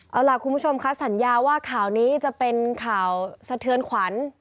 เอาล่ะคุณผู้ชมคะสัญญาว่าข่าวนี้จะเป็นข่าวสะเทือนขวัญ